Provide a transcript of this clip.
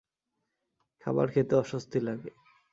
খাবার খেতে অস্বস্তি লাগে।